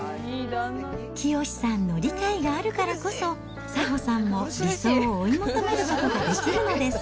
清さんの理解があるからこそ、早穂さんも理想を追い求めることができるのです。